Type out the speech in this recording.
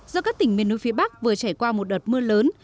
do các tỉnh miền núi phía bắc vừa trải qua một đợt mưa lớn